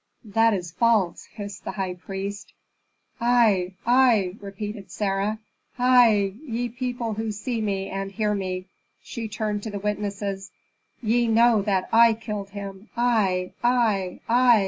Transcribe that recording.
"That is false!" hissed the high priest. "I, I!" repeated Sarah. "Hei, ye people who see me and hear me," she turned to the witnesses, "ye know that I killed him I I I!"